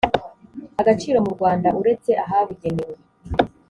agaciro mu rwanda uretse ahabugenewe